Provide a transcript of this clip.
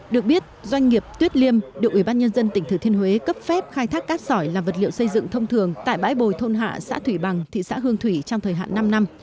được biết doanh nghiệp tuyết liêm được ủy ban nhân dân tỉnh thừa thiên huế cấp phép khai thác cát sỏi là vật liệu xây dựng thông thường tại bãi bồi thôn hạ xã thủy bằng thị xã hương thủy trong thời hạn năm năm